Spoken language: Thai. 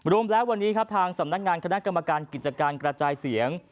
รวมแล้ววันนี้ครับทางสำนักงานคณะกรรมการกิจการกระจายเสียง